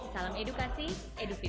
salam edukasi edufit